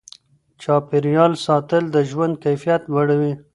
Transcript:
چاپیریال ساتل د ژوند کیفیت لوړوي.